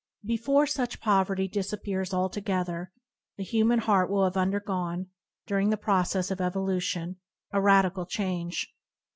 Before such pov erty disappears altogether, the human heart will have undergone, during the process of evolution, a radical change.